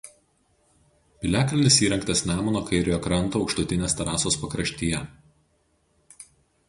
Piliakalnis įrengtas Nemuno kairiojo kranto aukštutinės terasos pakraštyje.